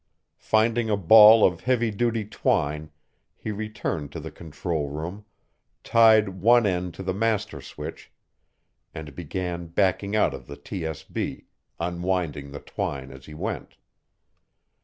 Finding a ball of heavy duty twine, he returned to the control room, tied one end to the master switch, and began backing out of the TSB, unwinding the twine as he went.